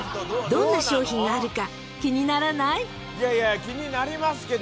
どんな商品があるか気にならない？］